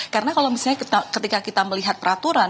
karena kalau misalnya ketika kita melihat peraturan